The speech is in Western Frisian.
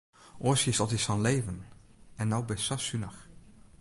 Oars hiest altyd sa'n leven en no bist sa sunich.